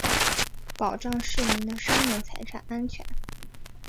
保障市民的生命财产安全